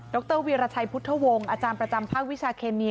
รวีรชัยพุทธวงศ์อาจารย์ประจำภาควิชาเคมี